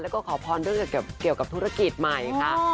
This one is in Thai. แล้วก็ขอพรเรื่องเกี่ยวกับธุรกิจใหม่ค่ะ